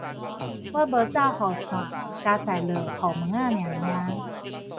我無紮雨傘，佳哉落雨毛仔爾爾